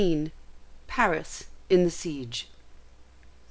PARIS IN THE SIEGE.